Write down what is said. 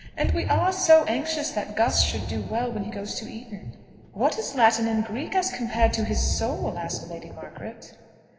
"And we are so anxious that Gus should do well when he goes to Eton." "What is Latin and Greek as compared to his soul?" asked Lady Margaret.